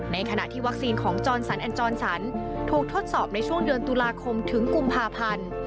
ในขณะที่วัคซีนของจรสันอันจรสันถูกทดสอบในช่วงเดือนตุลาคมถึงกุมภาพันธ์